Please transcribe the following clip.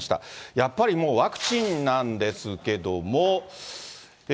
やっぱりもう、ワクチンなんですけども。